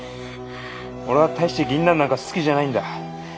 俺は大して銀杏なんか好きじゃないんだ。